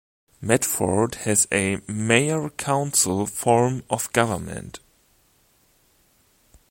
Medford has a mayor-council form of government.